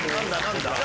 何だ？